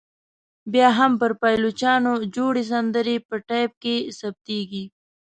بیا هم پر پایلوچانو جوړې سندرې په ټایپ کې ثبتېدې.